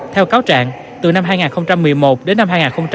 theo cáo trạng từ năm hai nghìn một mươi một đến năm hai nghìn một mươi